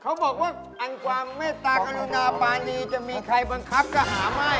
เขาบอกว่าอันความเมตตากรุณาปานีจะมีใครบังคับก็หาไม่